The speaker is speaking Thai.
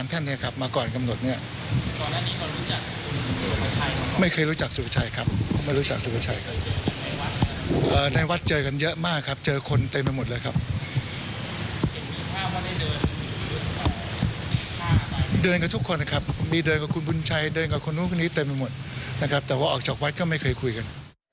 แต่ว่าออกจากวัดก็ไม่เคยคุยกัน